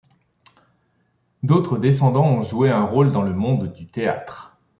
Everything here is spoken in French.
D'autres descendants ont joué un rôle dans le monde du théâtre.